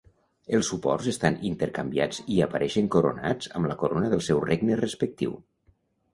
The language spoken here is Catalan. Els suports estan intercanviats i apareixen coronats amb la corona del seu regne respectiu.